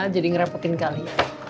jadi ngerepotin kali ya